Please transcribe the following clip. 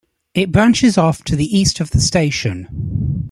It branches off to the east of the station.